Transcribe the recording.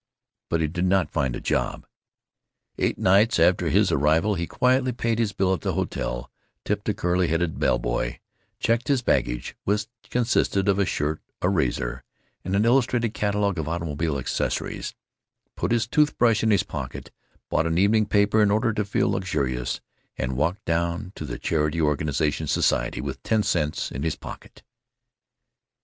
But he did not find a job. Eight nights after his arrival he quietly paid his bill at the hotel; tipped a curly headed bell boy; checked his baggage, which consisted of a shirt, a razor, and an illustrated catalogue of automobile accessories; put his tooth brush in his pocket; bought an evening paper in order to feel luxurious; and walked down to the Charity Organization Society, with ten cents in his pocket.